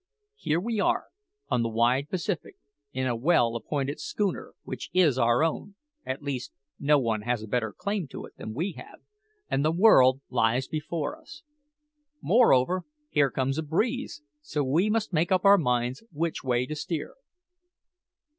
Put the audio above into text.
Here we are, on the wide Pacific, in a well appointed schooner, which is our own at least, no one has a better claim to it than we have and the world lies before us. Moreover, here comes a breeze, so we must make up our minds which way to steer."